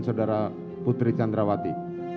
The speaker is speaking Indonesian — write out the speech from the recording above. saudara putri chandrawati